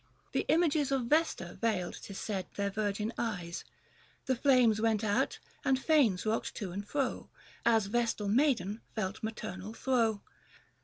The images Of Vesta veiled, 'tis said, their virgin eyes : 50 The flames went out, and i'anes rocked to and fro, As Vestal maiden felt maternal throe